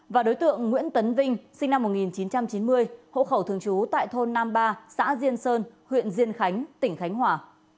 và đối tượng nguyễn tấn vinh sinh năm một nghìn chín trăm chín mươi hộ khẩu thường trú tại thôn nam ba xã diên sơn huyện diên khánh tỉnh khánh hòa